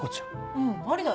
うんありだね。